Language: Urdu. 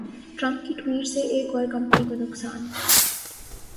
ٹرمپ کی ٹوئیٹ سے ایک اور کمپنی کو نقصان